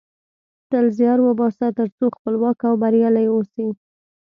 تل زیار وباسه ترڅو خپلواک او بریالۍ اوسی